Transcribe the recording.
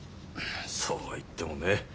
そうは言ってもねえ。